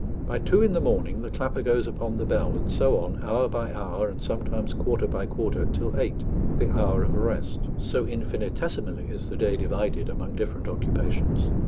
By two in the morning the clapper goes upon the bell, and so on, hour by hour, and sometimes quarter by quarter, till eight, the hour of rest; so infinitesimally is the day divided among different occupations.